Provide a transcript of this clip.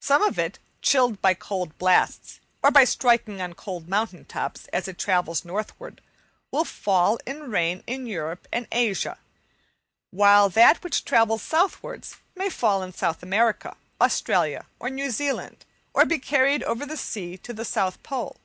Some of it, chilled by cold blasts, or by striking on cold mountain tops, as it travels northwards, will fall in rain in Europe and Asia, while that which travels southwards may fall in South America, Australia, or New Zealand, or be carried over the sea to the South Pole.